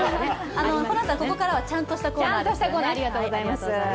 ホランさん、ここからはちゃんとしたコーナーですね。